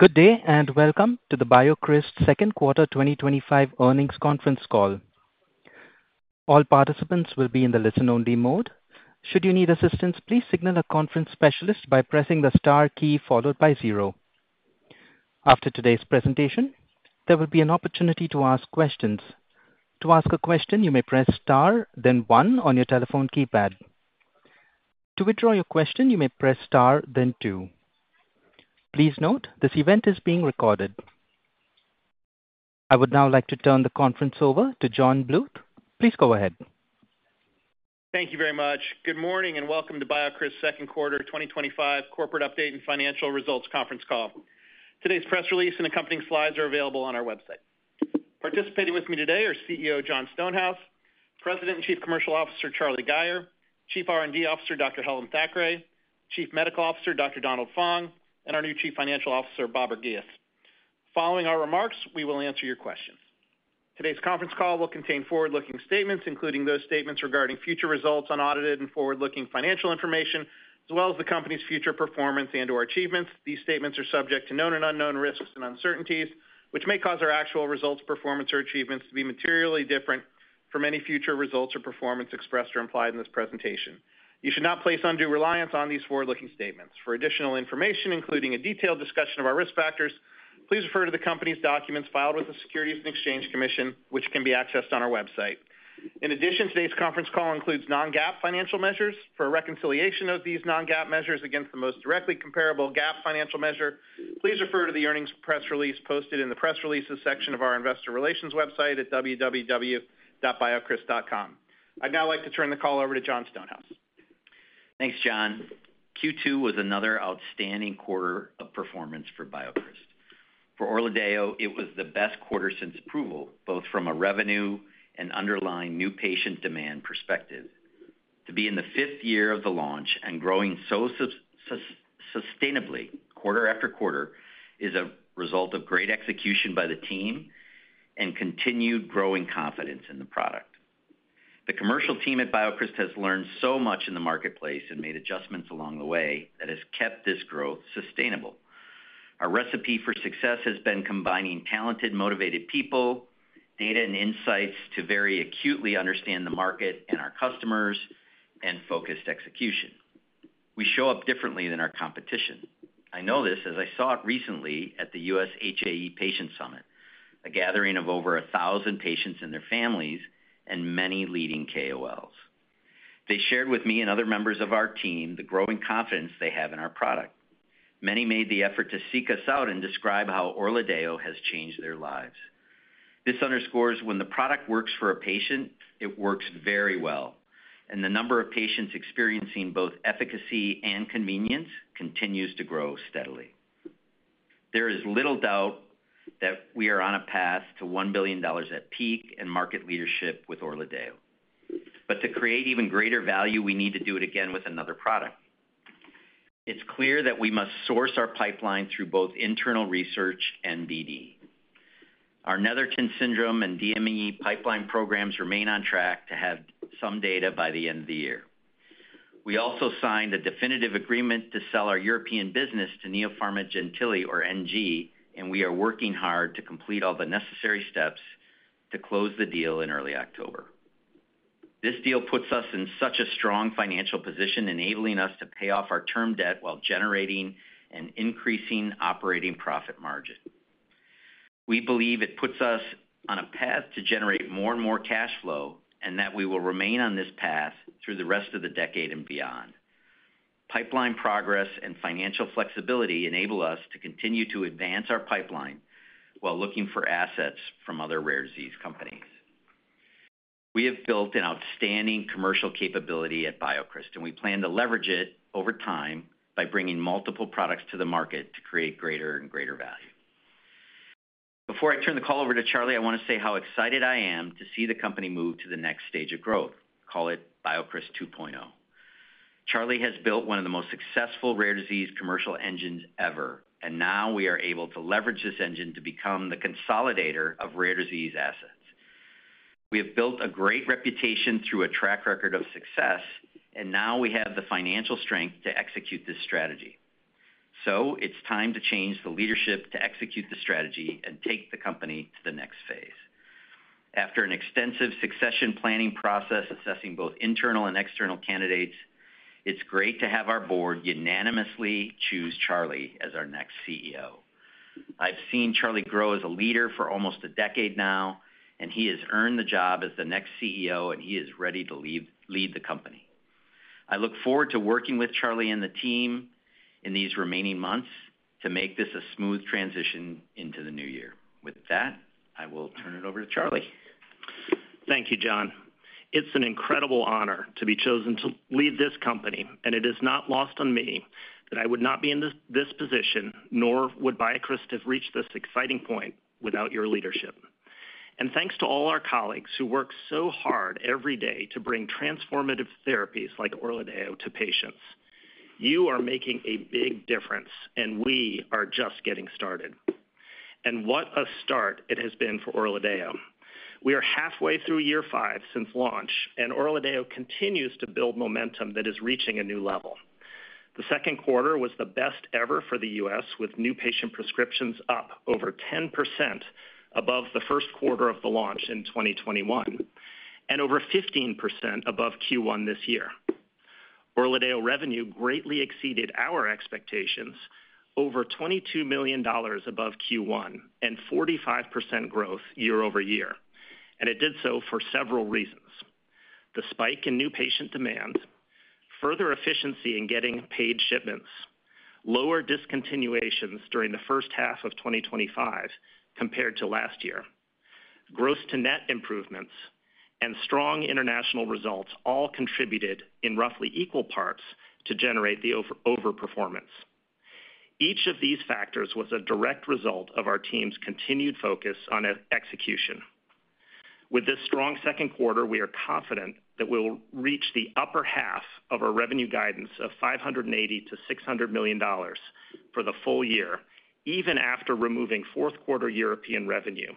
Good day and welcome to the BioCryst second quarter 2025 earnings conference call. All participants will be in the listen-only mode. Should you need assistance, please signal a conference specialist by pressing the star key followed by zero. After today's presentation, there will be an opportunity to ask questions. To ask a question, you may press star, then one on your telephone keypad. To withdraw your question, you may press star, then two. Please note this event is being recorded. I would now like to turn the conference over to John Bluth. Please go ahead. Thank you very much. Good morning and welcome to BioCryst second quarter 2025 corporate update and financial results conference call. Today's press release and accompanying slides are available on our website. Participating with me today are CEO Jon Stonehouse, President and Chief Commercial Officer Charlie Gayer, Chief R&D Officer Dr. Helen Thackray, Chief Medical Officer Dr. Donald Fong, and our new Chief Financial Officer Babar Ghias. Following our remarks, we will answer your questions. Today's conference call will contain forward-looking statements, including those statements regarding future results, unaudited and forward-looking financial information, as well as the company's future performance and/or achievements. These statements are subject to known and unknown risks and uncertainties, which may cause our actual results, performance, or achievements to be materially different from any future results or performance expressed or implied in this presentation. You should not place undue reliance on these forward-looking statements. For additional information, including a detailed discussion of our risk factors, please refer to the company's documents filed with the Securities and Exchange Commission, which can be accessed on our website. In addition, today's conference call includes non-GAAP financial measures. For a reconciliation of these non-GAAP measures against the most directly comparable GAAP financial measure, please refer to the earnings press release posted in the press releases section of our investor relations website at www.biocryst.com. I'd now like to turn the call over to Jon Stonehouse. Thanks, John. Q2 was another outstanding quarter of performance for BioCryst Pharmaceuticals. For ORLADEYO, it was the best quarter since approval, both from a revenue and underlying new patient demand perspective. To be in the fifth year of the launch and growing so sustainably quarter after quarter is a result of great execution by the team and continued growing confidence in the product. The commercial team at BioCryst has learned so much in the marketplace and made adjustments along the way that has kept this growth sustainable. Our recipe for success has been combining talented, motivated people, data, and insights to very acutely understand the market and our customers and focused execution. We show up differently than our competition. I know this as I saw it recently at the U.S. HAEA Patient Summit, a gathering of over a thousand patients and their families and many leading KOLs. They shared with me and other members of our team the growing confidence they have in our product. Many made the effort to seek us out and describe how ORLADEYO has changed their lives. This underscores when the product works for a patient, it works very well, and the number of patients experiencing both efficacy and convenience continues to grow steadily. There is little doubt that we are on a path to $1 billion at peak and market leadership with ORLADEYO. To create even greater value, we need to do it again with another product. It's clear that we must source our pipeline through both internal research and BD. Our Netherton syndrome and DME pipeline programs remain on track to have some data by the end of the year. We also signed a definitive agreement to sell our European business to Neopharmed Gentili, or NG, and we are working hard to complete all the necessary steps to close the deal in early October. This deal puts us in such a strong financial position, enabling us to pay off our term debt while generating an increasing operating profit margin. We believe it puts us on a path to generate more and more cash flow and that we will remain on this path through the rest of the decade and beyond. Pipeline progress and financial flexibility enable us to continue to advance our pipeline while looking for assets from other rare disease companies. We have built an outstanding commercial capability at BioCryst and we plan to leverage it over time by bringing multiple products to the market to create greater and greater value. Before I turn the call over to Charlie, I want to say how excited I am to see the company move to the next stage of growth, call it BioCryst 2.0. Charlie has built one of the most successful rare disease commercial engines ever, and now we are able to leverage this engine to become the consolidator of rare disease assets. We have built a great reputation through a track record of success, and now we have the financial strength to execute this strategy. It is time to change the leadership to execute the strategy and take the company to the next phase. After an extensive succession planning process, assessing both internal and external candidates, it is great to have our board unanimously choose Charlie as our next CEO. I've seen Charlie grow as a leader for almost a decade now, and he has earned the job as the next CEO, and he is ready to lead the company. I look forward to working with Charlie and the team in these remaining months to make this a smooth transition into the new year. With that, I will turn it over to Charlie. Thank you, Jon. It's an incredible honor to be chosen to lead this company, and it is not lost on me that I would not be in this position, nor would BioCryst have reached this exciting point without your leadership. Thanks to all our colleagues who work so hard every day to bring transformative therapies like ORLADEYO to patients. You are making a big difference, and we are just getting started. What a start it has been for ORLADEYO. We are halfway through year five since launch, and ORLADEYO continues to build momentum that is reaching a new level. The second quarter was the best ever for the U.S., with new patient prescriptions up over 10% above the first quarter of the launch in 2021 and over 15% above Q1 this year. ORLADEYO revenue greatly exceeded our expectations, over $22 million above Q1 and 45% growth year-over-year. It did so for several reasons: the spike in new patient demands, further efficiency in getting paid shipments, lower discontinuations during the first half of 2025 compared to last year, growth to net improvements, and strong international results all contributed in roughly equal parts to generate the overperformance. Each of these factors was a direct result of our team's continued focus on execution. With this strong second quarter, we are confident that we'll reach the upper half of our revenue guidance of $580 million-$600 million for the full year, even after removing fourth quarter European revenue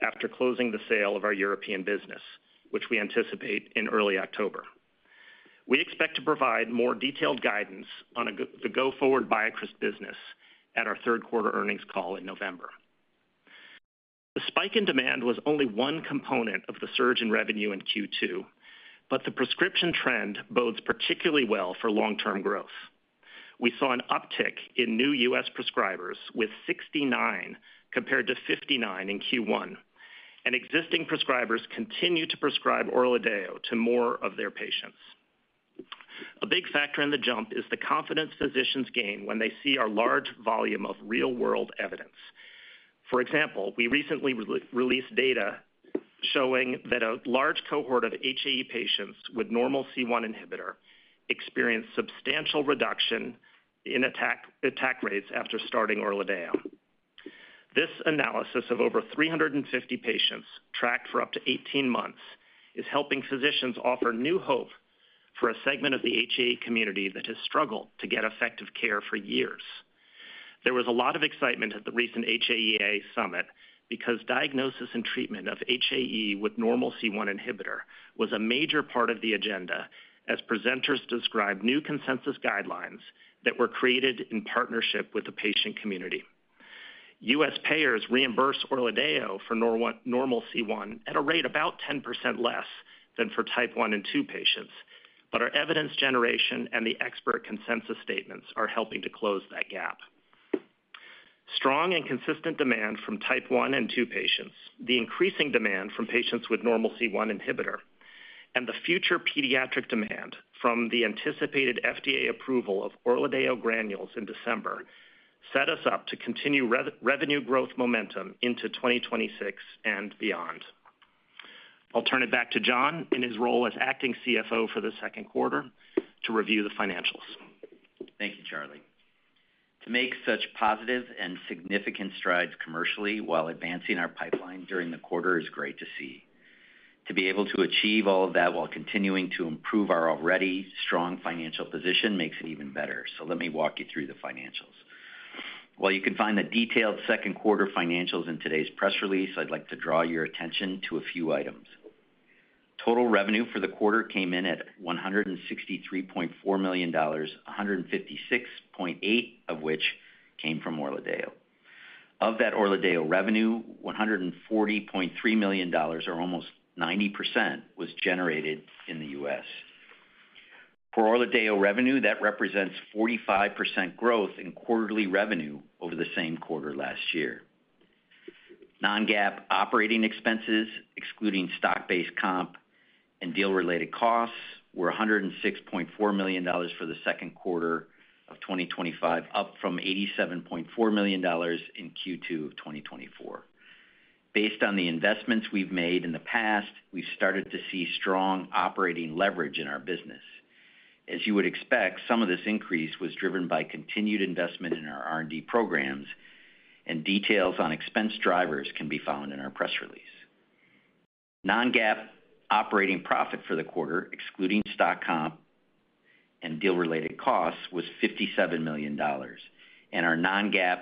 after closing the sale of our European business, which we anticipate in early October. We expect to provide more detailed guidance on the go-forward BioCryst business at our third quarter earnings call in November. The spike in demand was only one component of the surge in revenue in Q2, but the prescription trend bodes particularly well for long-term growth. We saw an uptick in new U.S. prescribers, with 69 compared to 59 in Q1, and existing prescribers continue to prescribe ORLADEYO to more of their patients. A big factor in the jump is the confidence physicians gain when they see our large volume of real-world evidence. For example, we recently released data showing that a large cohort of HAE patients with normal C1 inhibitor experienced substantial reduction in attack rates after starting ORLADEYO. This analysis of over 350 patients tracked for up to 18 months is helping physicians offer new hope for a segment of the HAE community that has struggled to get effective care for years. There was a lot of excitement at the recent HAEA summit because diagnosis and treatment of HAE with normal C1 inhibitor was a major part of the agenda, as presenters described new consensus guidelines that were created in partnership with the patient community. U.S. payers reimburse ORLADEYO for normal C1 at a rate about 10% less than for type 1 and 2 patients, but our evidence generation and the expert consensus statements are helping to close that gap. Strong and consistent demand from type 1 and 2 patients, the increasing demand from patients with normal C1 inhibitor, and the future pediatric demand from the anticipated FDA approval of ORLADEYO granules in December set us up to continue revenue growth momentum into 2026 and beyond. I'll turn it back to Jon in his role as Acting CFO for the second quarter to review the financials. Thank you, Charlie. To make such positive and significant strides commercially while advancing our pipeline during the quarter is great to see. To be able to achieve all of that while continuing to improve our already strong financial position makes it even better. Let me walk you through the financials. While you can find the detailed second quarter financials in today's press release, I'd like to draw your attention to a few items. Total revenue for the quarter came in at $163.4 million, $156.8 million of which came from ORLADEYO. Of that ORLADEYO revenue, $140.3 million, or almost 90%, was generated in the U.S. For ORLADEYO revenue, that represents 45% growth in quarterly revenue over the same quarter last year. Non-GAAP operating expenses, excluding stock-based comp and deal-related costs, were $106.4 million for the second quarter of 2025, up from $87.4 million in Q2 of 2024. Based on the investments we've made in the past, we've started to see strong operating leverage in our business. As you would expect, some of this increase was driven by continued investment in our R&D programs, and details on expense drivers can be found in our press release. Non-GAAP operating profit for the quarter, excluding stock comp and deal-related costs, was $57 million, and our non-GAAP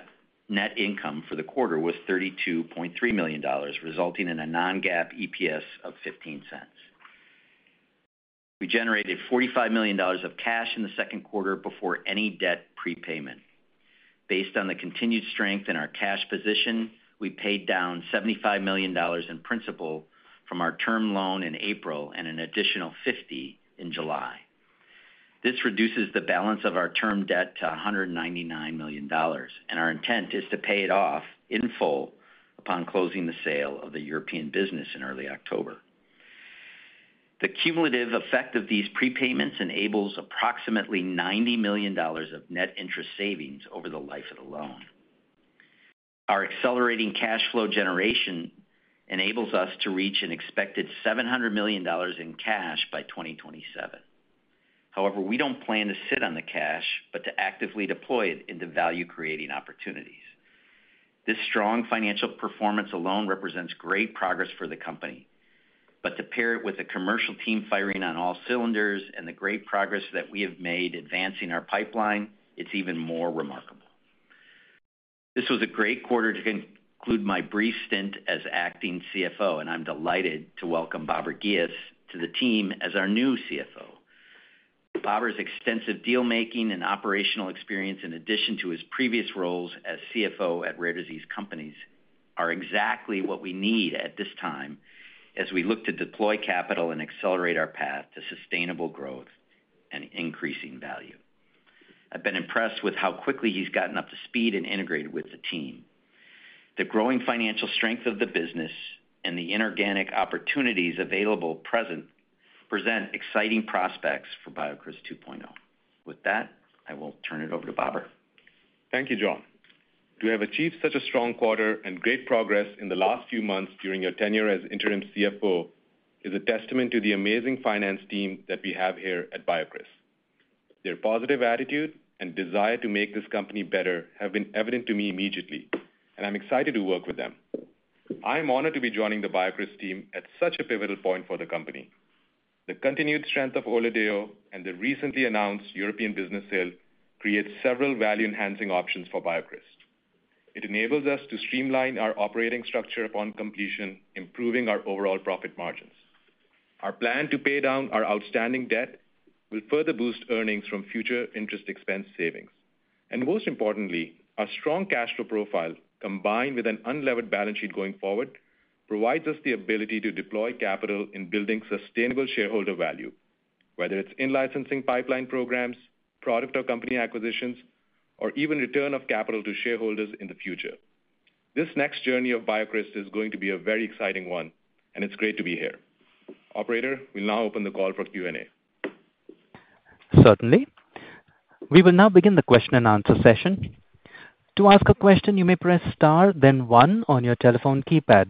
net income for the quarter was $32.3 million, resulting in a non-GAAP EPS of $0.15. We generated $45 million of cash in the second quarter before any debt prepayment. Based on the continued strength in our cash position, we paid down $75 million in principal from our term loan in April and an additional $50 million in July. This reduces the balance of our term debt to $199 million, and our intent is to pay it off in full upon closing the sale of the European business in early October. The cumulative effect of these prepayments enables approximately $90 million of net interest savings over the life of the loan. Our accelerating cash flow generation enables us to reach an expected $700 million in cash by 2027. However, we don't plan to sit on the cash but to actively deploy it into value-creating opportunities. This strong financial performance alone represents great progress for the company, but to pair it with the commercial team firing on all cylinders and the great progress that we have made advancing our pipeline, it's even more remarkable. This was a great quarter to conclude my brief stint as acting CFO, and I'm delighted to welcome Babar Ghias to the team as our new CFO. Babar's extensive deal-making and operational experience, in addition to his previous roles as CFO at rare disease companies, are exactly what we need at this time as we look to deploy capital and accelerate our path to sustainable growth and increasing value. I've been impressed with how quickly he's gotten up to speed and integrated with the team. The growing financial strength of the business and the inorganic opportunities available present exciting prospects for BioCryst 2.0. With that, I will turn it over to Babar. Thank you, Jon. To have achieved such a strong quarter and great progress in the last few months during your tenure as interim CFO is a testament to the amazing finance team that we have here at BioCryst. Their positive attitude and desire to make this company better have been evident to me immediately, and I'm excited to work with them. I am honored to be joining the BioCryst team at such a pivotal point for the company. The continued strength of ORLADEYO and the recently announced European business sale create several value-enhancing options for BioCryst. It enables us to streamline our operating structure upon completion, improving our overall profit margins. Our plan to pay down our outstanding debt will further boost earnings from future interest expense savings. Most importantly, our strong cash flow profile, combined with an unlevered balance sheet going forward, provides us the ability to deploy capital in building sustainable shareholder value, whether it's in-licensing pipeline programs, product or company acquisitions, or even return of capital to shareholders in the future. This next journey of BioCryst is going to be a very exciting one, and it's great to be here. Operator, we'll now open the call for Q&A. Certainly. We will now begin the question and answer session. To ask a question, you may press star, then one on your telephone keypad.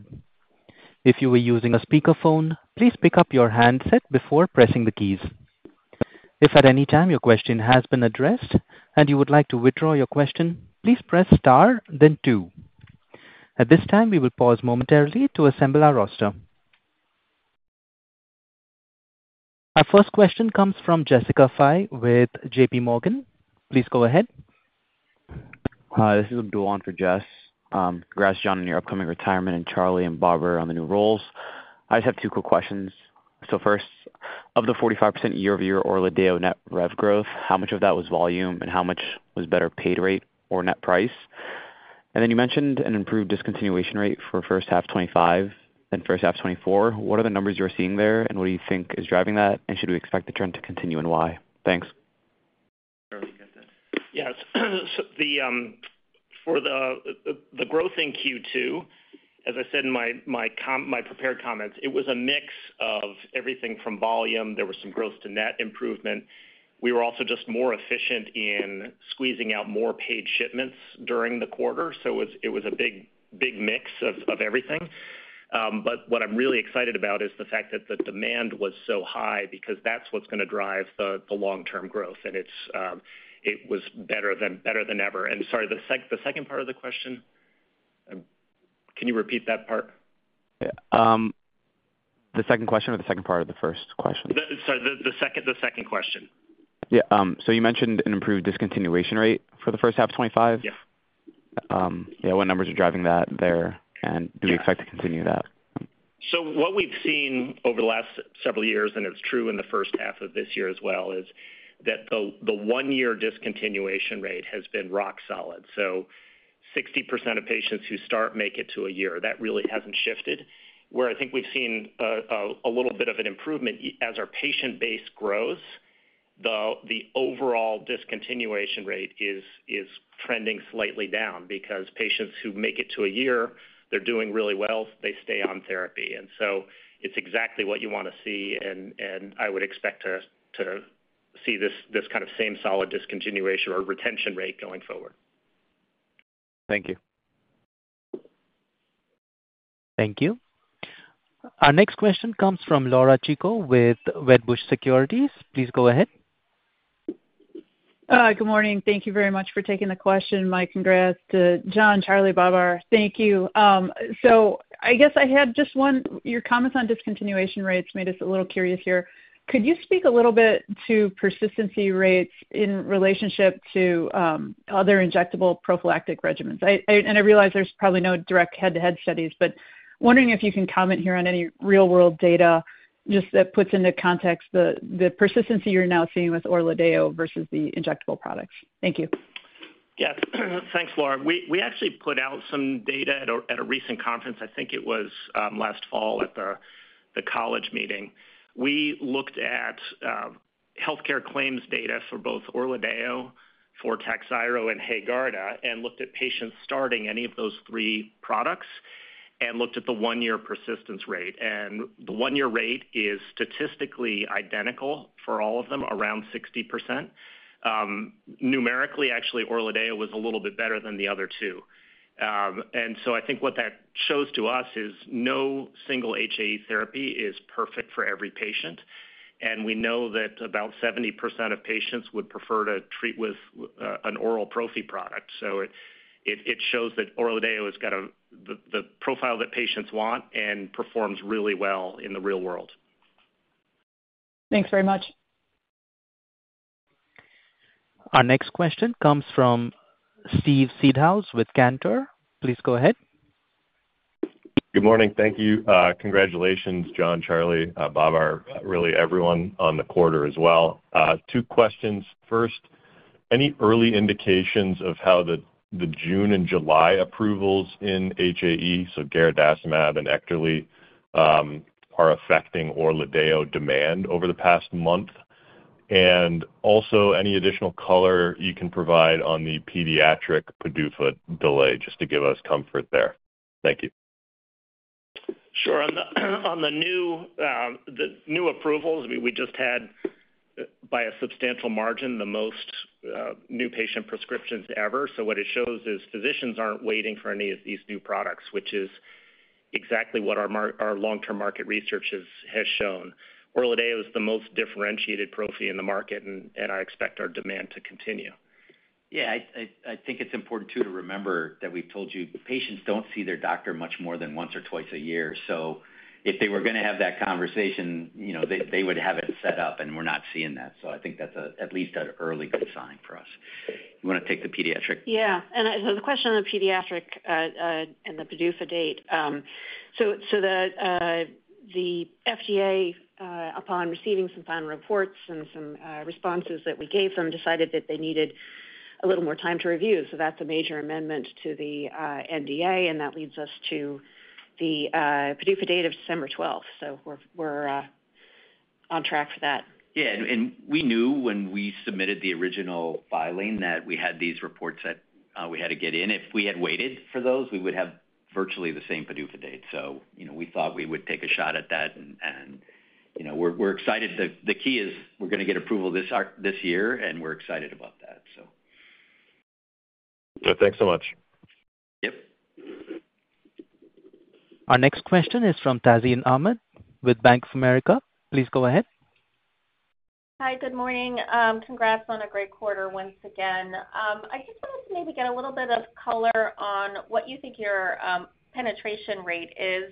If you are using a speakerphone, please pick up your handset before pressing the keys. If at any time your question has been addressed and you would like to withdraw your question, please press star, then two. At this time, we will pause momentarily to assemble our roster. Our first question comes from Jessica Fye with JPMorgan. Please go ahead. Hi, this is Duan for Jess. Congrats, Jon, on your upcoming retirement and Charlie and Babar on the new roles. I just have two quick questions. First, of the 45% year-over-year ORLADEYO net rev growth, how much of that was volume and how much was better paid rate or net price? You mentioned an improved discontinuation rate for first half 2025 and first half 2024. What are the numbers you're seeing there and what do you think is driving that? Should we expect the trend to continue and why? Thanks. Yeah, for the growth in Q2, as I said in my prepared comments, it was a mix of everything from volume. There was some growth to net improvement. We were also just more efficient in squeezing out more paid shipments during the quarter. It was a big, big mix of everything. What I'm really excited about is the fact that the demand was so high because that's what's going to drive the long-term growth. It was better than ever. Sorry, the second part of the question, can you repeat that part? Yeah, the second question or the second part of the first question? Sorry, the second question. You mentioned an improved discontinuation rate for the first half of 2025. Yeah. Yeah, what numbers are driving that there, and do we expect to continue that? What we've seen over the last several years, and it's true in the first half of this year as well, is that the one-year discontinuation rate has been rock solid. 60% of patients who start make it to a year, that really hasn't shifted. Where I think we've seen a little bit of an improvement as our patient base grows, though the overall discontinuation rate is trending slightly down because patients who make it to a year, they're doing really well if they stay on therapy. It's exactly what you want to see. I would expect to see this kind of same solid discontinuation or retention rate going forward. Thank you. Thank you. Our next question comes from Laura Chico with Wedbush Securities. Please go ahead. Good morning. Thank you very much for taking the question. My congrats to Jon, Charlie, Babar. Thank you. I guess I had just one. Your comments on discontinuation rates made us a little curious here. Could you speak a little bit to persistency rates in relationship to other injectable prophylactic regimens? I realize there's probably no direct head-to-head studies, but wondering if you can comment here on any real-world data that puts into context the persistency you're now seeing with ORLADEYO versus the injectable products. Thank you. Yes, thanks, Laura. We actually put out some data at a recent conference. I think it was last fall at the college meeting. We looked at healthcare claims data for both ORLADEYO, Firazyr, and HAEGARDA, and looked at patients starting any of those three products and looked at the one-year persistence rate. The one-year rate is statistically identical for all of them, around 60%. Numerically, actually, ORLADEYO was a little bit better than the other two. I think what that shows to us is no single Hereditary Angioedema therapy is perfect for every patient. We know that about 70% of patients would prefer to treat with an oral prophy product. It shows that ORLADEYO has got the profile that patients want and performs really well in the real world. Thanks very much. Our next question comes from Steve Seedhouse with Cantor. Please go ahead. Good morning. Thank you. Congratulations, Jon, Charlie, Babar, really everyone on the quarter as well. Two questions. First, any early indications of how the June and July approvals in HAE, so Garadacimab and EKTERLY, are affecting ORLADEYO demand over the past month? Also, any additional color you can provide on the pediatric PDUFA delay, just to give us comfort there. Thank you. Sure. On the new approvals, we just had, by a substantial margin, the most new patient prescriptions ever. What it shows is physicians aren't waiting for any of these new products, which is exactly what our long-term market research has shown. ORLADEYO is the most differentiated prophy in the market, and I expect our demand to continue. Yeah, I think it's important too to remember that we've told you patients don't see their doctor much more than once or twice a year. If they were going to have that conversation, you know they would have it set up, and we're not seeing that. I think that's at least an early good sign for us. You want to take the pediatric? Yeah, the question on the pediatric and the PDUFA date. The FDA, upon receiving some final reports and some responses that we gave them, decided that they needed a little more time to review. That's a major amendment to the NDA, and that leads us to the PDUFA date of December 12th. We're on track for that. Yeah, we knew when we submitted the original filing that we had these reports that we had to get in. If we had waited for those, we would have virtually the same PDUFA date. We thought we would take a shot at that, and we're excited. The key is we're going to get approval this year, and we're excited about that. Yeah, thanks so much. Our next question is from Tazeen Ahmad with Bank of America. Please go ahead. Hi, good morning. Congrats on a great quarter once again. I just wanted to maybe get a little bit of color on what you think your penetration rate is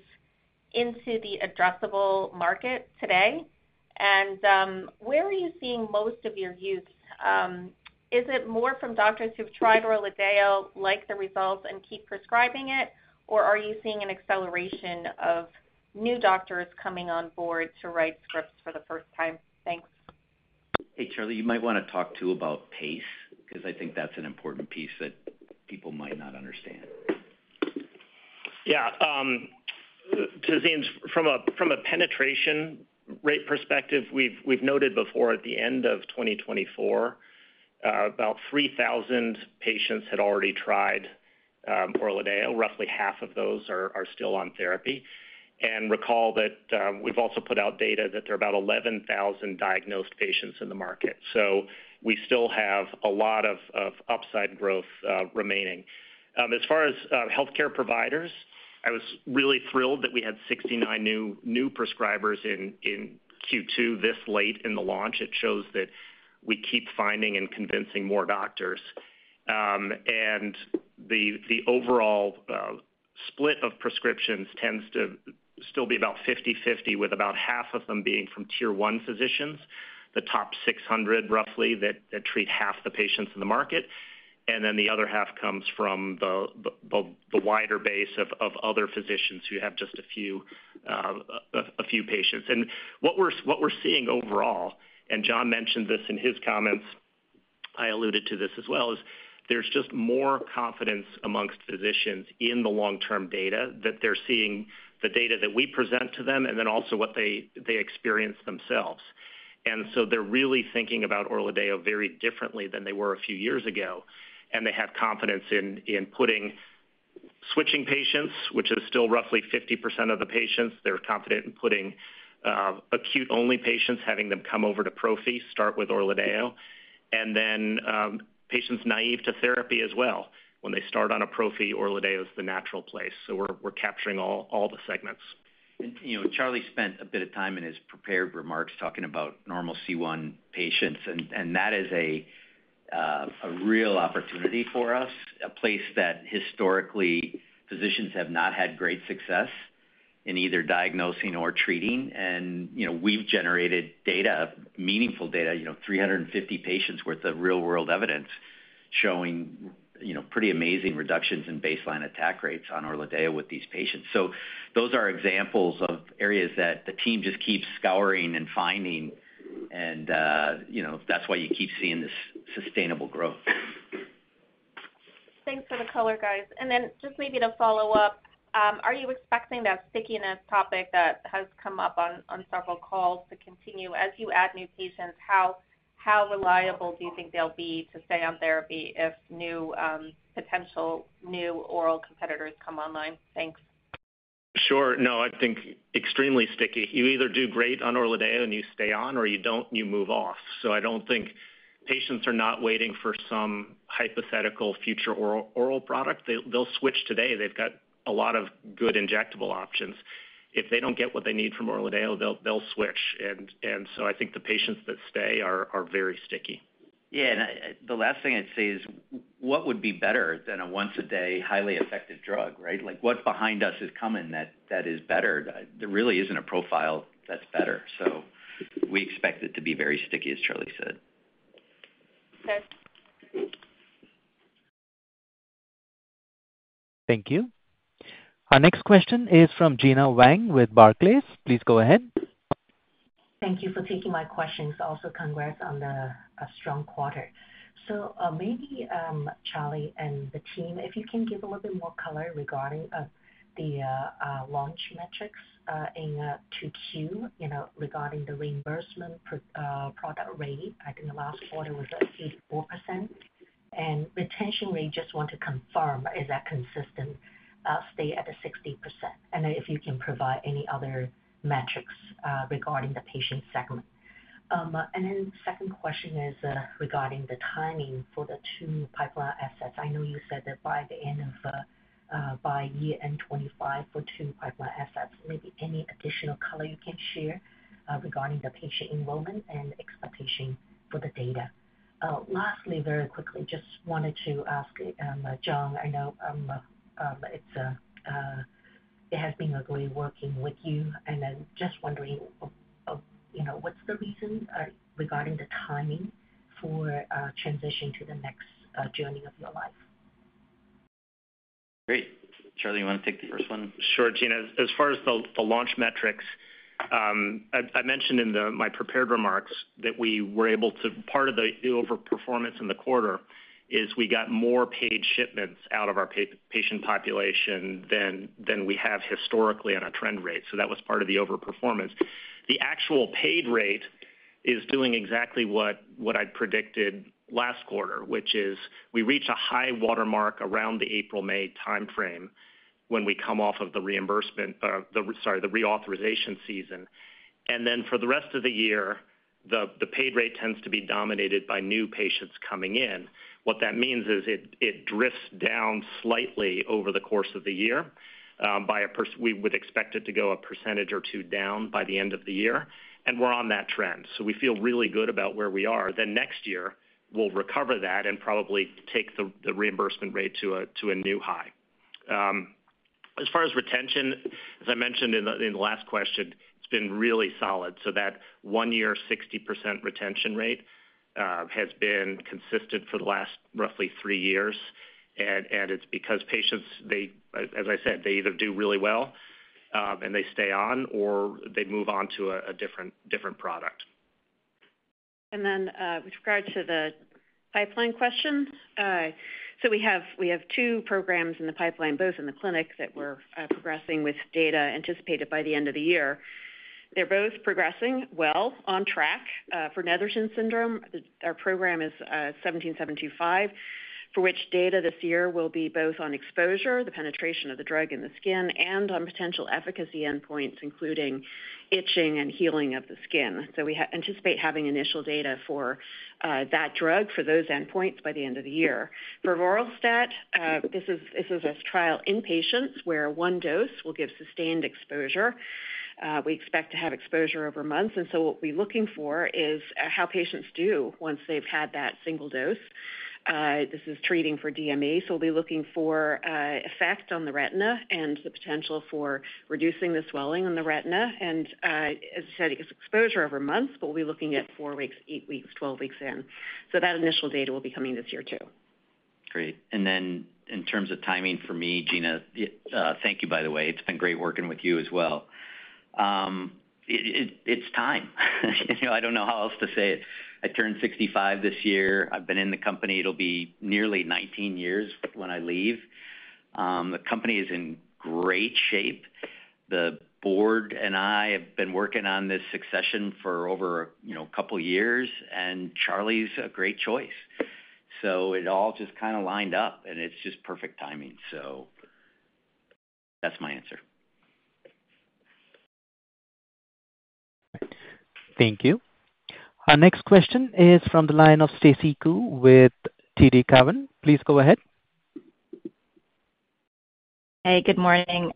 into the addressable market today. Where are you seeing most of your use? Is it more from doctors who've tried ORLADEYO, like the results, and keep prescribing it, or are you seeing an acceleration of new doctors coming on board to write scripts for the first time? Thanks. Hey, Charlie, you might want to talk too about pace, because I think that's an important piece that people might not understand. Yeah, Tazeen, from a penetration rate perspective, we've noted before at the end of 2024, about 3,000 patients had already tried ORLADEYO. Roughly half of those are still on therapy. Recall that we've also put out data that there are about 11,000 diagnosed patients in the market. We still have a lot of upside growth remaining. As far as healthcare providers, I was really thrilled that we had 69 new prescribers in Q2 this late in the launch. It shows that we keep finding and convincing more doctors. The overall split of prescriptions tends to still be about 50/50, with about half of them being from tier one physicians, the top 600 roughly that treat half the patients in the market. The other half comes from the wider base of other physicians who have just a few patients. What we're seeing overall, and Jon mentioned this in his comments, I alluded to this as well, is there's just more confidence amongst physicians in the long-term data that they're seeing, the data that we present to them and then also what they experience themselves. They're really thinking about ORLADEYO very differently than they were a few years ago. They have confidence in switching patients, which is still roughly 50% of the patients. They're confident in putting acute-only patients, having them come over to prophy, start with ORLADEYO. Patients naive to therapy as well, when they start on a prophy, ORLADEYO is the natural place. We're capturing all the segments. Charlie spent a bit of time in his prepared remarks talking about normal C1 inhibitor patients. That is a real opportunity for us, a place that historically physicians have not had great success in either diagnosing or treating. We've generated meaningful data, 350 patients' worth of real-world evidence showing pretty amazing reductions in baseline attack rates on ORLADEYO with these patients. Those are examples of areas that the team just keeps scouring and finding. That is why you keep seeing this sustainable growth. Thanks for the color, guys. Maybe to follow up, are you expecting that stickiness topic that has come up on several calls to continue as you add new patients? How reliable do you think they'll be to stay on therapy if new potential new oral competitors come online? Thanks. Sure. No, I think extremely sticky. You either do great on ORLADEYO and you stay on or you don't, you move off. I don't think patients are not waiting for some hypothetical future oral product. They'll switch today. They've got a lot of good injectable options. If they don't get what they need from ORLADEYO, they'll switch. I think the patients that stay are very sticky. Yeah, the last thing I'd say is what would be better than a once-a-day highly effective drug, right? Like what's behind us is coming that is better. There really isn't a profile that's better. We expect it to be very sticky, as Charlie said. Thank you. Our next question is from Gena Wang with Barclays. Please go ahead. Thank you for taking my questions. Also, congrats on a strong quarter. Charlie and the team, if you can give a little bit more color regarding the launch metrics in Q2, regarding the reimbursement product rate. I think the last quarter was at 64%. Retention rate, just want to confirm, is that consistent? Stay at the 60%. If you can provide any other metrics regarding the patient segment. The second question is regarding the timing for the two new pipeline assets. I know you said that by year end 2025 for two pipeline assets. Maybe any additional color you can share regarding the patient enrollment and expectation for the data. Lastly, very quickly, just wanted to ask, Jon, I know it has been great working with you. I'm just wondering, what's the reason regarding the timing for transition to the next journey of your life? Great. Charlie, you want to take the first one? Sure, Gena. As far as the launch metrics, I mentioned in my prepared remarks that we were able to, part of the overperformance in the quarter is we got more paid shipments out of our patient population than we have historically in a trend rate. That was part of the overperformance. The actual paid rate is doing exactly what I predicted last quarter, which is we reach a high watermark around the April-May timeframe when we come off of the reimbursement, sorry, the reauthorization season. For the rest of the year, the paid rate tends to be dominated by new patients coming in. What that means is it drifts down slightly over the course of the year. We would expect it to go a percentage or two down by the end of the year. We're on that trend. We feel really good about where we are. Next year, we'll recover that and probably take the reimbursement rate to a new high. As far as retention, as I mentioned in the last question, it's been really solid. That one-year 60% retention rate has been consistent for the last roughly three years. It's because patients, as I said, they either do really well and they stay on or they move on to a different product. With regard to the pipeline question, we have two programs in the pipeline, both in the clinic that we're progressing with data anticipated by the end of the year. They're both progressing well, on track. For Netherton syndrome, our program is 17725, for which data this year will be both on exposure, the penetration of the drug in the skin, and on potential efficacy endpoints, including itching and healing of the skin. We anticipate having initial data for that drug for those endpoints by the end of the year. For Avoralstat, this is a trial in patients where one dose will give sustained exposure. We expect to have exposure over months. What we're looking for is how patients do once they've had that single dose. This is treating for DME. We will be looking for effect on the retina and the potential for reducing the swelling in the retina. As I said, it gives exposure over months, but we'll be looking at four weeks, eight weeks, 12 weeks in. That initial data will be coming this year too. Great. In terms of timing for me, Gena, thank you, by the way. It's been great working with you as well. It's time. I don't know how else to say it. I turned 65 this year. I've been in the company, it'll be nearly 19 years when I leave. The company is in great shape. The board and I have been working on this succession for over a couple of years, and Charlie's a great choice. It all just kind of lined up, and it's just perfect timing. That's my answer. Thank you. Our next question is from the line of Stacy Ku with TD Cowen. Please go ahead. Hey, good morning.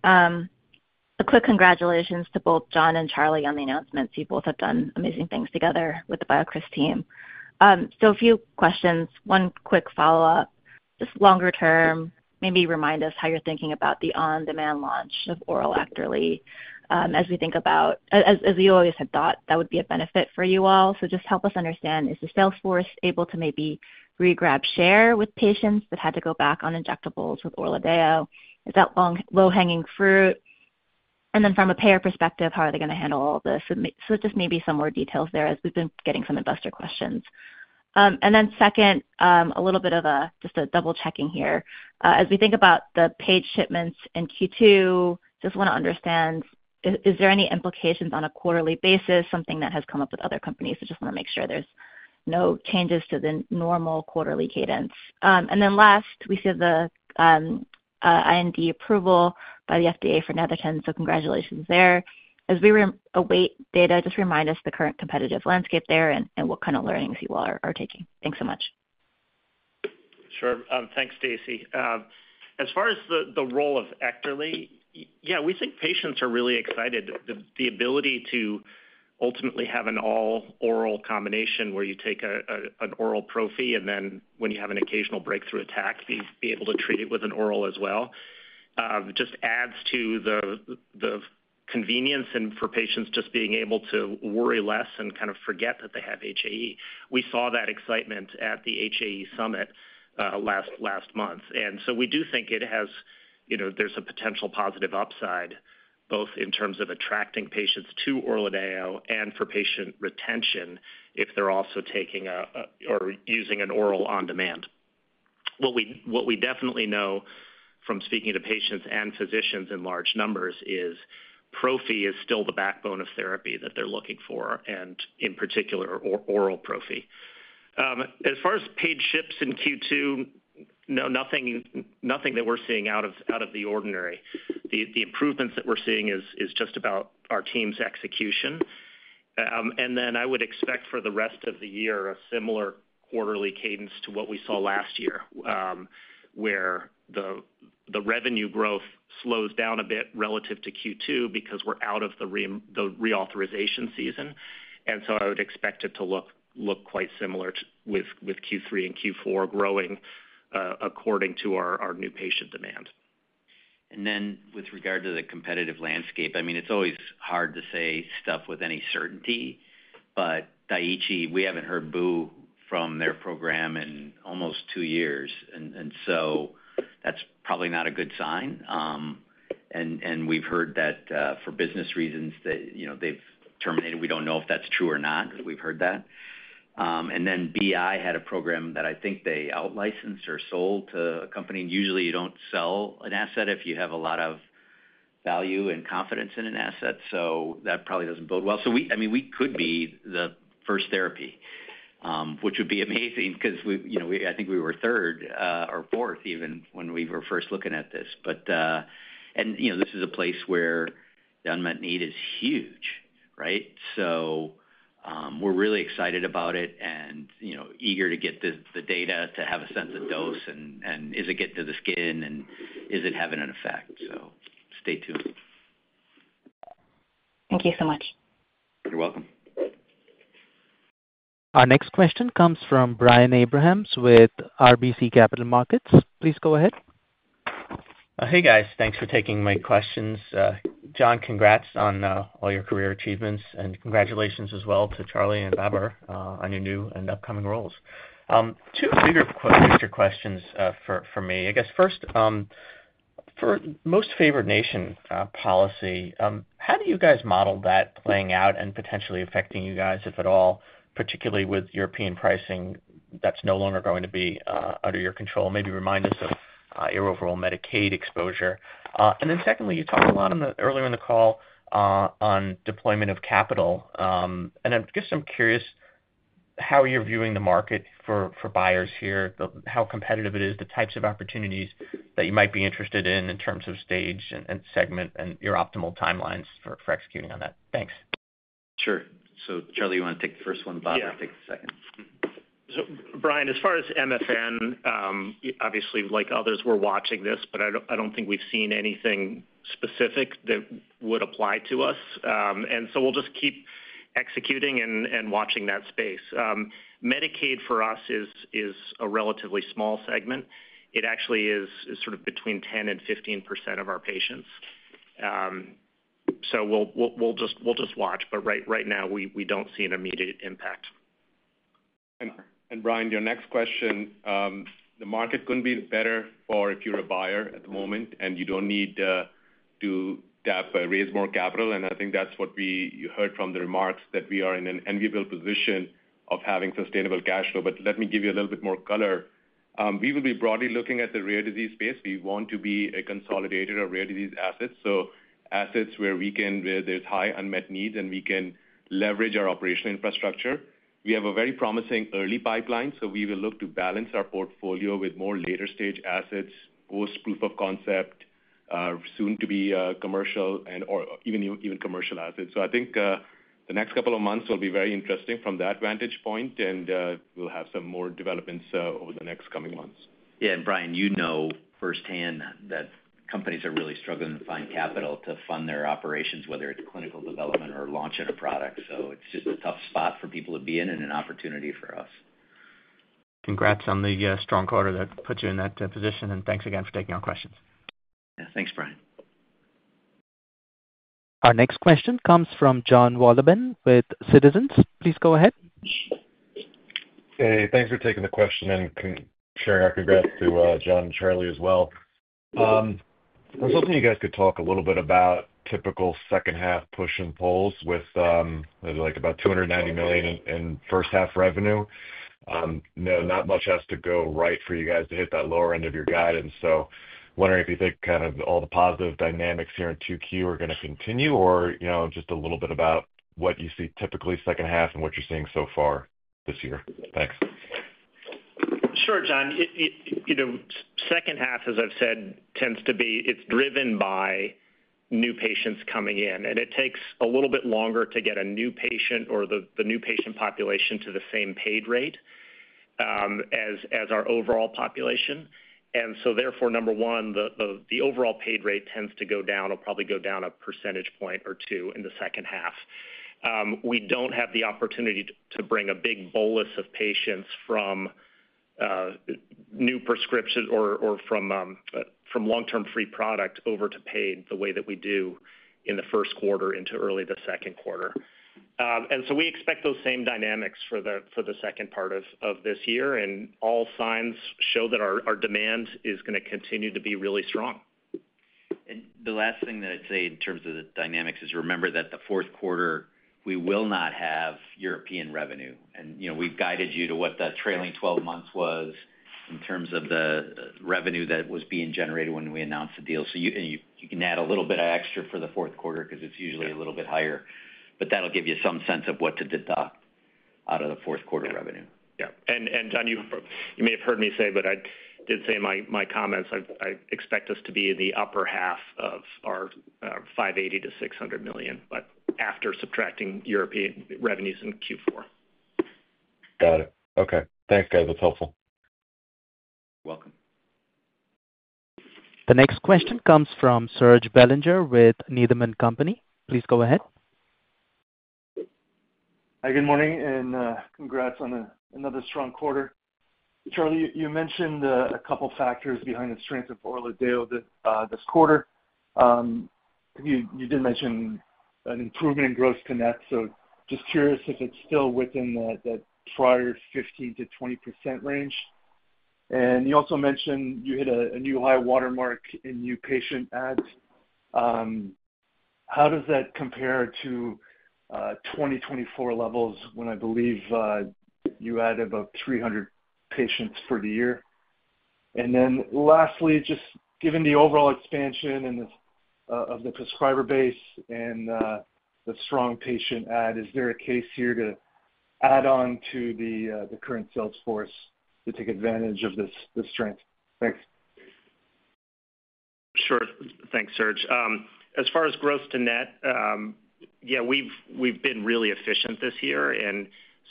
A quick congratulations to both Jon and Charlie on the announcements. You both have done amazing things together with the BioCryst team. A few questions, one quick follow-up. Just longer term, maybe remind us how you're thinking about the on-demand launch of oral therapy as we think about, as you always had thought, that would be a benefit for you all. Just help us understand, is the Salesforce able to maybe regain share with patients that had to go back on injectables with ORLADEYO? Is that long low-hanging fruit? From a payer perspective, how are they going to handle all of this? Maybe some more details there as we've been getting some investor questions. Second, a little bit of just double-checking here. As we think about the paid shipments in Q2, just want to understand, is there any implications on a quarterly basis, something that has come up with other companies? Just want to make sure there's no changes to the normal quarterly cadence. Last, we see the IND approval by the FDA for Netherton, so congratulations there. As we await data, just remind us the current competitive landscape there and what kind of learnings you all are taking. Thanks so much. Sure. Thanks, Stacy. As far as the role of EKTERLY, yeah, we think patients are really excited. The ability to ultimately have an all-oral combination where you take an oral prophy and then when you have an occasional breakthrough attack, be able to treat it with an oral as well just adds to the convenience and for patients just being able to worry less and kind of forget that they have HAE. We saw that excitement at the HAE summit last month. We do think it has, you know, there's a potential positive upside both in terms of attracting patients to ORLADEYO and for patient retention if they're also taking or using an oral on-demand. What we definitely know from speaking to patients and physicians in large numbers is prophy is still the backbone of therapy that they're looking for and in particular oral prophy. As far as paid ships in Q2, no, nothing that we're seeing out of the ordinary. The improvements that we're seeing is just about our team's execution. I would expect for the rest of the year a similar quarterly cadence to what we saw last year where the revenue growth slows down a bit relative to Q2 because we're out of the reauthorization season. I would expect it to look quite similar with Q3 and Q4 growing according to our new patient demand. With regard to the competitive landscape, it's always hard to say stuff with any certainty. Daiichi, we haven't heard boo from their program in almost two years, and that's probably not a good sign. We've heard that for business reasons they've terminated. We don't know if that's true or not, but we've heard that. BI had a program that I think they out-licensed or sold to a company. Usually, you don't sell an asset if you have a lot of value and confidence in an asset. That probably doesn't bode well. We could be the first therapy, which would be amazing because I think we were third or fourth even when we were first looking at this. This is a place where the unmet need is huge, right? We're really excited about it and eager to get the data to have a sense of dose and is it getting to the skin and is it having an effect. Stay tuned. Thank you so much. You're welcome. Our next question comes from Brian Abrahams with RBC Capital Markets. Please go ahead. Hey guys, thanks for taking my questions. Jon, congrats on all your career achievements and congratulations as well to Charlie and Babar on your new and upcoming roles. Two bigger questions for me. First, for most favored nation policy, how do you guys model that playing out and potentially affecting you guys, if at all, particularly with European pricing that's no longer going to be under your control? Maybe remind us of your overall Medicaid exposure. Secondly, you talked a lot earlier in the call on deployment of capital. I'm curious how you're viewing the market for buyers here, how competitive it is, the types of opportunities that you might be interested in in terms of stage and segment and your optimal timelines for executing on that. Thanks. Sure. Charlie, you want to take the first one, Babar, take the second. Brian, as far as MFN, obviously, like others, we're watching this, but I don't think we've seen anything specific that would apply to us. We'll just keep executing and watching that space. Medicaid for us is a relatively small segment. It actually is sort of between 10% and 15% of our patients. We'll just watch. Right now, we don't see an immediate impact. Brian, your next question, the market couldn't be better if you're a buyer at the moment and you don't need to raise more capital. I think that's what we heard from the remarks that we are in an enviable position of having sustainable cash flow. Let me give you a little bit more color. We will be broadly looking at the rare disease space. We want to be a consolidator of rare disease assets, assets where there's high unmet needs and we can leverage our operational infrastructure. We have a very promising early pipeline. We will look to balance our portfolio with more later stage assets, post-proof of concept, soon to be commercial and or even commercial assets. The next couple of months will be very interesting from that vantage point. We'll have some more developments over the next coming months. Yeah, Brian, you know firsthand that companies are really struggling to find capital to fund their operations, whether it's clinical development or launching a product. It's a tough spot for people to be in and an opportunity for us. Congrats on the strong quarter that put you in that position. Thanks again for taking our questions. Yeah, thanks Brian. Our next question comes from Jon Wolleben with Citizens. Please go ahead. Hey, thanks for taking the question and sharing our congrats to Jon and Charlie as well. I was hoping you guys could talk a little bit about typical second half push and pulls with like about $290 million in first half revenue. Not much has to go right for you guys to hit that lower end of your guidance. Wondering if you think kind of all the positive dynamics here in 2Q are going to continue or just a little bit about what you see typically second half and what you're seeing so far this year. Thanks. Sure, Jon. You know, second half, as I've said, tends to be it's driven by new patients coming in. It takes a little bit longer to get a new patient or the new patient population to the same paid rate as our overall population. Therefore, number one, the overall paid rate tends to go down. It'll probably go down a percentage point or two in the second half. We don't have the opportunity to bring a big bolus of patients from new prescriptions or from long-term free product over to paid the way that we do in the first quarter into early the second quarter. We expect those same dynamics for the second part of this year. All signs show that our demand is going to continue to be really strong. The last thing that I'd say in terms of the dynamics is remember that the fourth quarter, we will not have European revenue. We've guided you to what the trailing 12 months was in terms of the revenue that was being generated when we announced the deal. You can add a little bit of extra for the fourth quarter because it's usually a little bit higher. That'll give you some sense of what to deduct out of the fourth quarter revenue. Yeah, Jon, you may have heard me say, but I did say in my comments I expect us to be in the upper half of our $580 million to $600 million, but after subtracting European revenues in Q4. Got it. Okay. Thanks, guys. That's helpful. Welcome. The next question comes from Serge Belanger with Needham & Company. Please go ahead. Hi, good morning, and congrats on another strong quarter. Charlie, you mentioned a couple of factors behind the strength of ORLADEYO this quarter. I think you did mention an improvement in gross to net. Just curious if it's still within that prior 15%-20% range. You also mentioned you hit a new high watermark in new patient adds. How does that compare to 2024 levels when I believe you added about 300 patients for the year? Lastly, just given the overall expansion of the prescriber base and the strong patient add, is there a case here to add on to the current sales force to take advantage of this strength? Thanks. Sure. Thanks, Serge. As far as gross to net, yeah, we've been really efficient this year.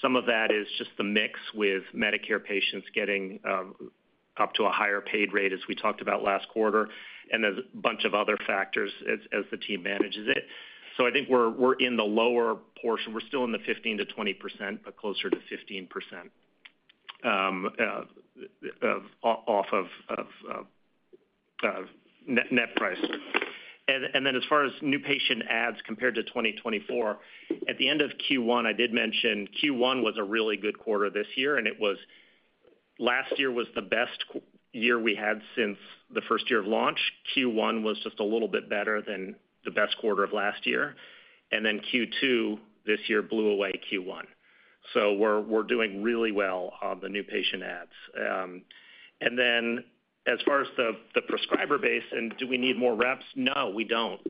Some of that is just the mix with Medicare patients getting up to a higher paid rate as we talked about last quarter and a bunch of other factors as the team manages it. I think we're in the lower portion. We're still in the 15%-20%, but closer to 15% off of net price. As far as new patient ads compared to 2024, at the end of Q1, I did mention Q1 was a really good quarter this year. Last year was the best year we had since the first year of launch. Q1 was just a little bit better than the best quarter of last year. Q2 this year blew away Q1. We're doing really well on the new patient ads. As far as the prescriber base, and do we need more reps? No, we don't.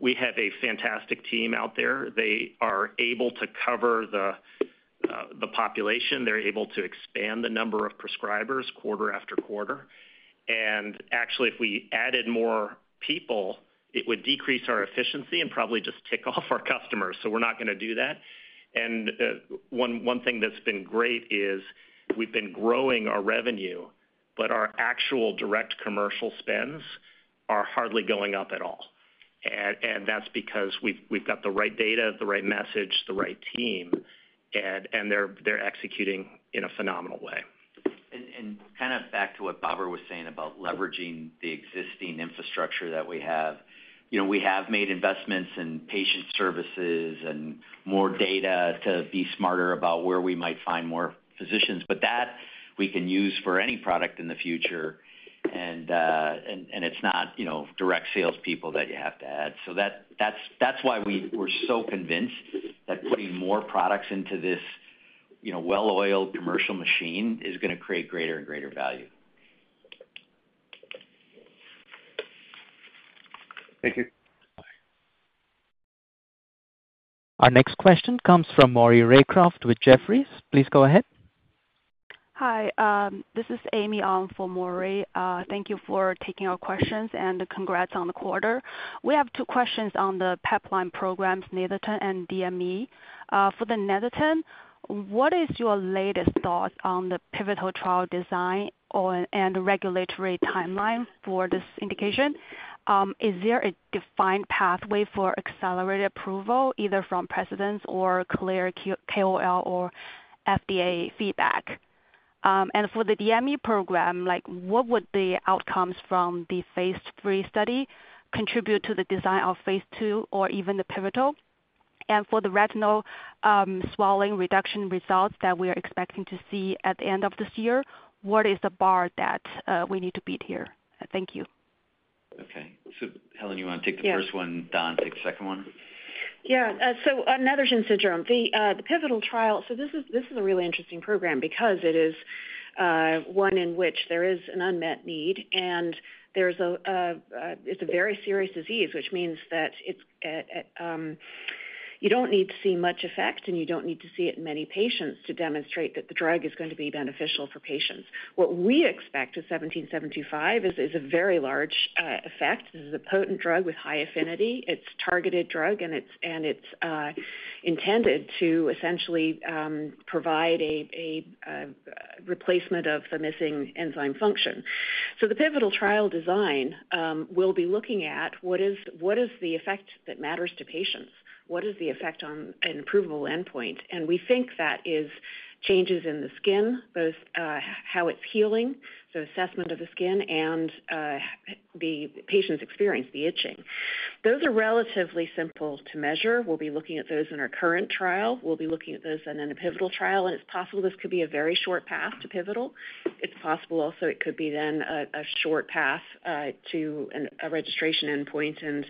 We have a fantastic team out there. They are able to cover the population. They're able to expand the number of prescribers quarter after quarter. Actually, if we added more people, it would decrease our efficiency and probably just tick off our customers. We're not going to do that. One thing that's been great is we've been growing our revenue, but our actual direct commercial spends are hardly going up at all. That's because we've got the right data, the right message, the right team, and they're executing in a phenomenal way. Back to what Babar was saying about leveraging the existing infrastructure that we have. We have made investments in patient services and more data to be smarter about where we might find more physicians. That we can use for any product in the future. It's not direct salespeople that you have to add. That is why we're so convinced that putting more products into this well-oiled commercial machine is going to create greater and greater value. Thank you. Our next question comes from Maury Raycroft with Jefferies. Please go ahead. Hi, this is Amy for Maury. Thank you for taking our questions and congrats on the quarter. We have two questions on the pipeline programs, Netherton and DME. For the Netherton, what is your latest thought on the pivotal trial design and regulatory timeline for this indication? Is there a defined pathway for accelerated approval, either from precedence or clear KOL or FDA feedback? For the DME program, what would the outcomes from the phase III study contribute to the design of phase II or even the pivotal? For the retinal swelling reduction results that we are expecting to see at the end of this year, what is the bar that we need to beat here? Thank you. Okay. Helen, you want to take the first one? Don, take the second one? Yeah. On Netherton syndrome, the pivotal trial, this is a really interesting program because it is one in which there is an unmet need. It's a very serious disease, which means that you don't need to see much effect and you don't need to see it in many patients to demonstrate that the drug is going to be beneficial for patients. What we expect is 17725 is a very large effect. This is a potent drug with high affinity. It's a targeted drug and it's intended to essentially provide a replacement of the missing enzyme function. The pivotal trial design will be looking at what is the effect that matters to patients, what is the effect on an improvable endpoint. We think that is changes in the skin, both how it's healing, so assessment of the skin and the patient's experience, the itching. Those are relatively simple to measure. We'll be looking at those in our current trial and in a pivotal trial. It's possible this could be a very short path to pivotal. It's possible also it could be then a short path to a registration endpoint and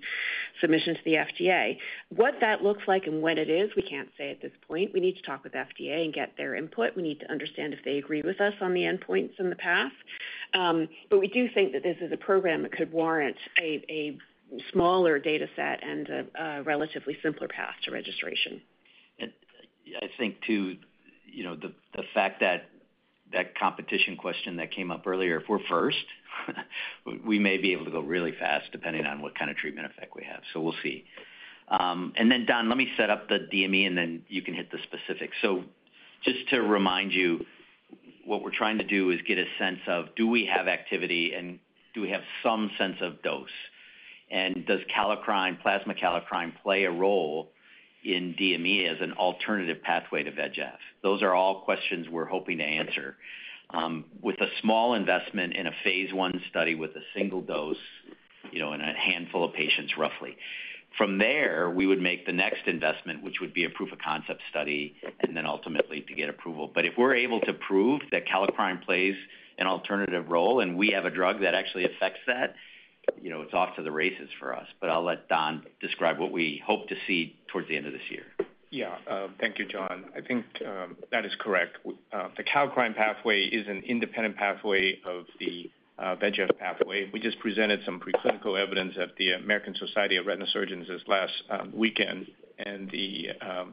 submission to the FDA. What that looks like and when it is, we can't say at this point. We need to talk with FDA and get their input. We need to understand if they agree with us on the endpoints and the path. We do think that this is a program that could warrant a smaller data set and a relatively simpler path to registration. I think too, you know, the fact that that competition question that came up earlier, if we're first, we may be able to go really fast depending on what kind of treatment effect we have. We'll see. Don, let me set up the DME and then you can hit the specifics. Just to remind you, what we're trying to do is get a sense of do we have activity and do we have some sense of dose. Does plasma kallikrein play a role in DME as an alternative pathway to VEGF? Those are all questions we're hoping to answer with a small investment in a phase I study with a single dose in a handful of patients, roughly. From there, we would make the next investment, which would be a proof of concept study and then ultimately to get approval. If we're able to prove that kallikrein plays an alternative role and we have a drug that actually affects that, it's off to the races for us. I'll let Don describe what we hope to see towards the end of this year. Yeah, thank you, Jon. I think that is correct. The kallikrein pathway is an independent pathway of the VEGF pathway. We just presented some preclinical evidence at the American Society of Retina Surgeons this last weekend, and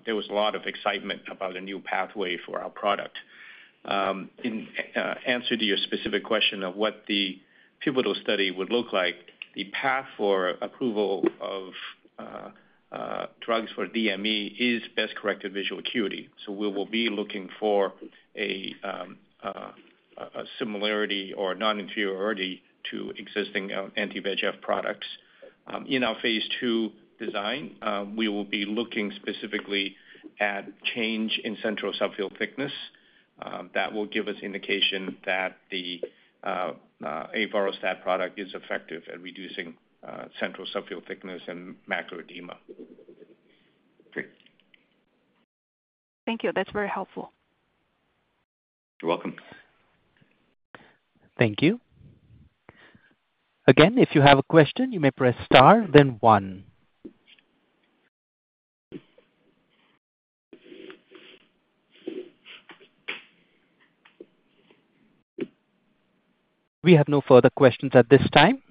there was a lot of excitement about a new pathway for our product. In answer to your specific question of what the pivotal study would look like, the path for approval of drugs for DME is best corrected visual acuity. We will be looking for a similarity or non-inferiority to existing anti-VEGF products. In our phase II design, we will be looking specifically at change in central subfield thickness. That will give us an indication that the Avoralstat product is effective at reducing central subfield thickness and macular edema. Great. Thank you. That's very helpful. You're welcome. Thank you. Again, if you have a question, you may press star, then one. We have no further questions at this time.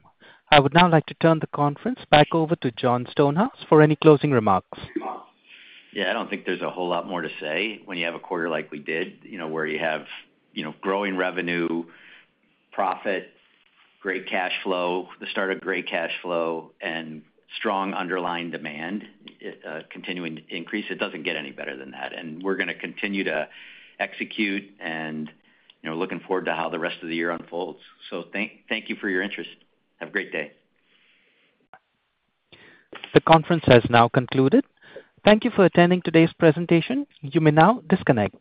I would now like to turn the conference back over to Jon Stonehouse for any closing remarks. I don't think there's a whole lot more to say when you have a quarter like we did, where you have growing revenue, profit, great cash flow, the start of great cash flow, and strong underlying demand continuing to increase. It doesn't get any better than that. We're going to continue to execute and looking forward to how the rest of the year unfolds. Thank you for your interest. Have a great day. The conference has now concluded. Thank you for attending today's presentation. You may now disconnect.